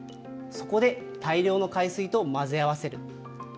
そこで大量の海水と混ぜ合わせる。